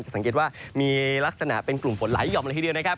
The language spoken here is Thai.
สังเกตว่ามีลักษณะเป็นกลุ่มฝนหลายห่อมเลยทีเดียวนะครับ